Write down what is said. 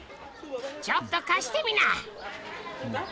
ちょっと貸してみな。